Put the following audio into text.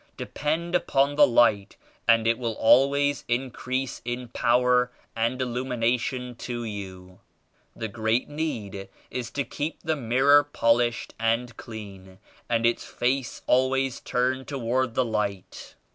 De pend upon the Light and it will always increase in power and illumination to you. The great need is to keep the mirror polished and clean and its face always turned toward the Light.